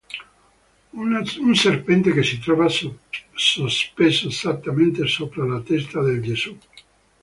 Un serpente che si trova sospeso esattamente sopra la testa del Gesù.